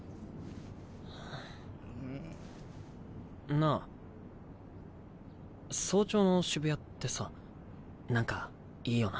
なあ早朝の渋谷ってさなんかいいよな。